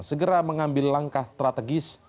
segera mengambil langkah strategis